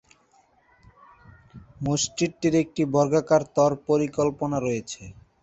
মসজিদটির একটি বর্গাকার তল পরিকল্পনা রয়েছে, যেমন সেলজুক আমলে আনাতোলিয়ায় পাওয়া গিয়েছিল, তার মতো স্থাপত্য বৈশিষ্ট্য প্রকাশ করে।